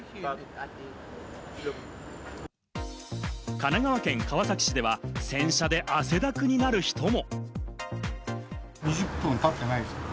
神奈川県川崎市では、洗車で汗だくになる人も。